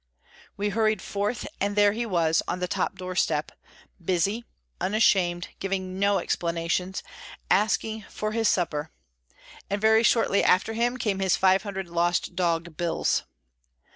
We hurried forth, and there he was on the top doorstep—busy, unashamed, giving no explanations, asking for his supper; and very shortly after him came his five hundred "Lost Dog" bills.